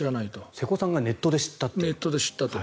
瀬古さんがネットで知ったという。